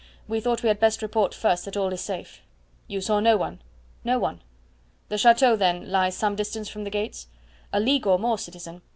We thought we had best report first that all is safe." "You saw no one?" "No one." "The chateau, then, lies some distance from the gates?" "A league or more, citizen.